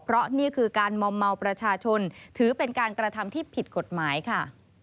เพราะนี่คือการมอมเมาประชาชนถือเป็นการกระทำที่ผิดกฎหมายค่ะ